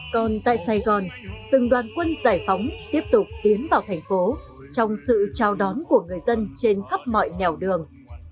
còn tại sài gòn từng đoàn quân giải phóng tiếp tục tiến vào thành phố trong sự chào đón của người dân trên khắp mọi nẻo đường